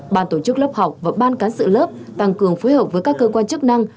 ban tổ chức lớp học và ban cán sự lớp tăng cường phối hợp với các cơ quan chức năng